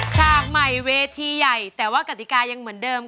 ฉากใหม่เวทีใหญ่แต่ว่ากติกายังเหมือนเดิม